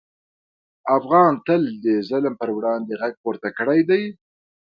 افغان تل د ظلم پر وړاندې غږ پورته کړی دی.